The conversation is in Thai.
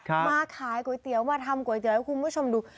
มาขายก๋วยเตี๋ยวมาทำก๋วยเตี๋ยวให้คุณผู้ชมดู